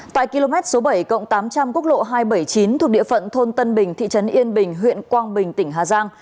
tại km số bảy tám trăm linh quốc lộ hai trăm bảy mươi chín thuộc địa phận thôn tân bình thị trấn yên bình huyện quang bình tỉnh hà giang